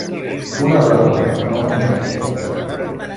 Un agrònom, no un metge.